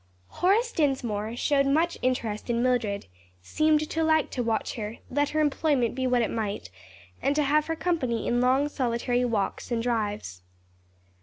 HORACE DINSMORE showed much interest in Mildred, seemed to like to watch her, let her employment be what it might, and to have her company in long solitary walks and drives.